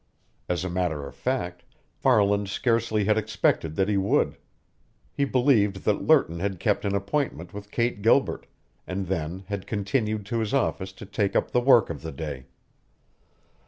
As a matter of fact, Farland scarcely had expected that he would. He believed that Lerton had kept an appointment with Kate Gilbert, and then had continued to his office to take up the work of the day.